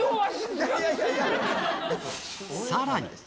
さらに。